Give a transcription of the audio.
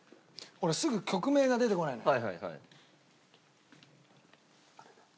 俺すぐ曲名が出てこないのよ。